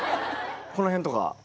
この辺とか？